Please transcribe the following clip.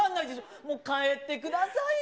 もう、帰ってくださいよ。